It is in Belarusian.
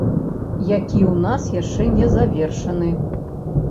Які ў нас яшчэ не завершаны.